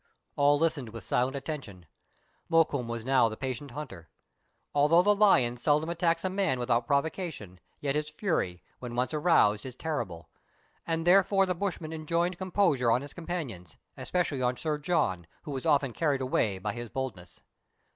All listened with silent attention : Mokoum was now the patient hunter. Although the lion seldom attacks a man without provocation, yet his fury, when once aroused, is terrible; and therefore the bushman enjoined composure on his companions, especially on Sir John, who was often carried away by his boldness.